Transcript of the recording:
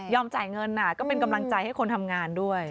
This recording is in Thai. จ่ายเงินก็เป็นกำลังใจให้คนทำงานด้วย